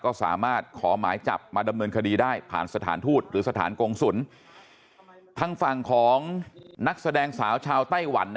ก็สามารถขอหมายจับมาดำเนินคดีได้ผ่านสถานทูตหรือสถานกงศุลทางฝั่งของนักแสดงสาวชาวไต้หวันนะ